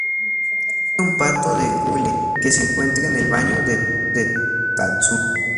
Es un pato de hule que se encuentra en el baño de Tatsumi.